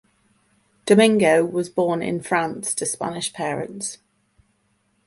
Domingo was born in France to Spanish parents.